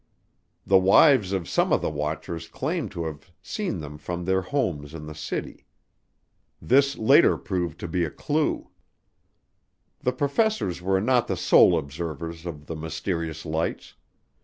The wives of some of the watchers claimed to have seen them from their homes in the city. This later proved to be a clue. The professors were not the sole observers of the mysterious lights.